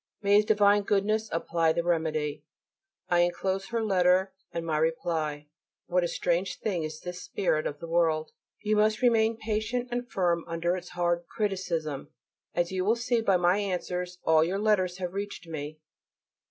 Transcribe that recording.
May His divine Goodness apply the remedy. I enclose her letter, and my reply. What a strange thing is this spirit of the world! You must remain patient and firm under its hard criticism. As you will see by my answers all your letters have reached me.